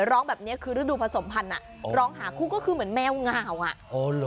ร้องแบบนี้คือฤดูผสมพันธ์ร้องหาคู่ก็คือเหมือนแมวเหงาวอ่ะอ๋อเหรอ